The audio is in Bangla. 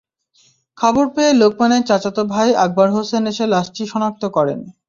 খবর পেয়ে লোকমানের চাচাতো ভাই আকবর হোসেন এসে লাশটি শনাক্ত করেন।